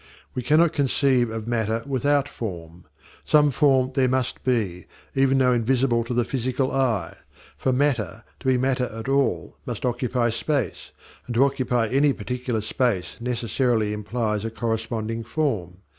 We cannot conceive of matter without form. Some form there must be, even though invisible to the physical eye; for matter, to be matter at all, must occupy space, and to occupy any particular space necessarily implies a corresponding form.